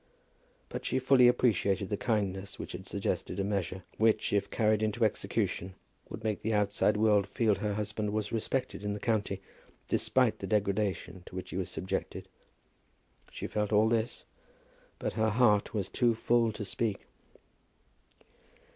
But she fully appreciated the kindness which had suggested a measure, which, if carried into execution, would make the outside world feel that her husband was respected in the county, despite the degradation to which he was subjected. She felt all this, but her heart was too full to speak.